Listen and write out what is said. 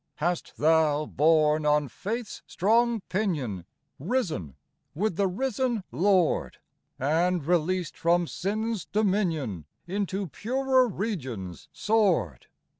Hast thou, borne on faith's strong pinion, Risen with the risen Lord ! And, released from sin's dominion, Into purer regions soared